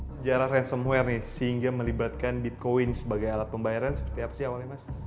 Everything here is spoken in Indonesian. sejarah ransomware nih sehingga melibatkan bitcoin sebagai alat pembayaran seperti apa sih awalnya mas